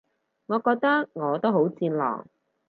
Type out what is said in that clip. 我覺得我都好戰狼